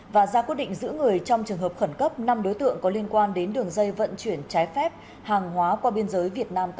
và ra quyết định giữ người trong trường hợp khẩn cấp năm đối tượng có liên quan đến đường dây vận chuyển trái phép hàng hóa qua biên giới việt nam campuchia